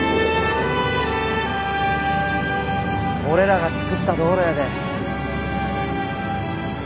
俺らが造った道路やで。